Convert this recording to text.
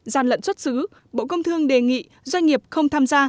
gian lận xuất xứ bộ công thương đề nghị doanh nghiệp không tham gia